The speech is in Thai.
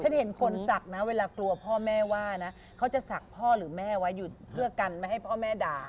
เห็นคนศักดิ์นะเวลากลัวพ่อแม่ว่านะเขาจะศักดิ์พ่อหรือแม่ไว้อยู่เพื่อกันไม่ให้พ่อแม่ด่า